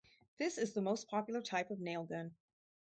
This is the most popular type of nail gun.